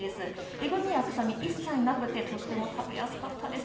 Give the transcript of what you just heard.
えぐみや臭みは一切なくてとても食べやすかったです。